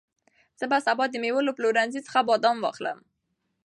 زه به سبا د مېوو له پلورنځي څخه بادام واخلم.